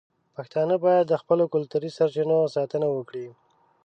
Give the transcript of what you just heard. پښتانه باید د خپلو کلتوري سرچینو ساتنه وکړي.